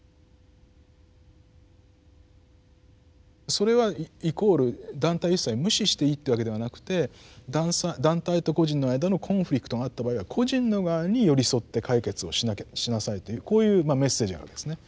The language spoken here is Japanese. それはイコール団体を一切無視していいっていうわけではなくて団体と個人の間のコンフリクトがあった場合は個人の側に寄り添って解決をしなさいというこういうメッセージがあるんですね。